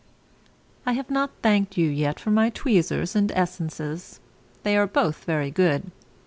I have not thanked you yet for my tweezers and essences; they are both very good.